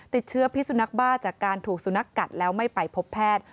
ติดเชื้อพิสุนักบ้าจากการถูกสุนัขกัดแล้วไม่ไปพบแพทย์